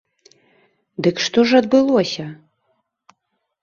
Дык што ж адбылося?